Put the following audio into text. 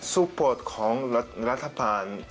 ส่วนผลของรัฐบาล